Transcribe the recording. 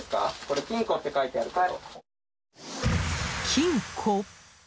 金庫。